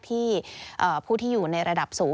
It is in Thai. ที่ผู้ที่อยู่ในระดับสูง